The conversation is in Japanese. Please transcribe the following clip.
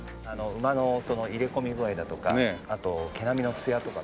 馬の入れ込み具合だとかあと毛並みのつやとか。